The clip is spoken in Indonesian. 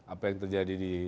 apa yang terjadi di